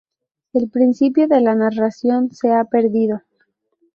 El principio de la narración se ha perdido.